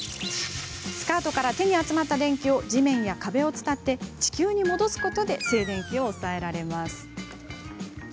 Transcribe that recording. スカートから手に集まった電気を地面や壁を伝って地球に戻すことで静電気を抑えられます。